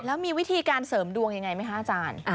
แล้วมีวิธีการเสริมดวงยังไงไหมคะอาจารย์